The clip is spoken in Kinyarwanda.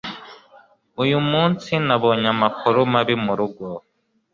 uyu munsi nabonye amakuru mabi murugo